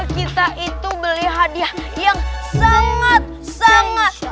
kita itu beli hadiah yang sangat sangat